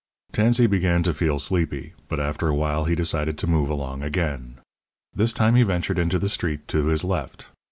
Tansey began to feel sleepy, but after a while he decided to move along again. This time he ventured into the street to his left.